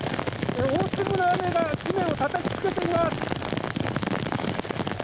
大粒の雨が傘をたたきつけてきます。